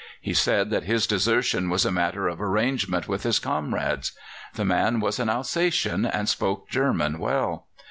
He said that his desertion was a matter of arrangement with his comrades. The man was an Alsatian, and spoke German well.